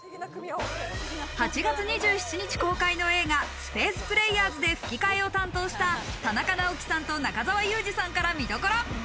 『スペース・プレイヤーズ』で吹き替えを担当した田中直樹さんと中澤佑二さんから見どころ。